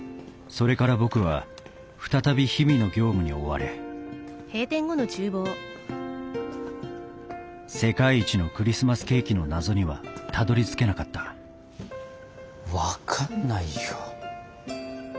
それから僕は再び日々の業務に追われ世界一のクリスマスケーキの謎にはたどりつけなかった分かんないよ。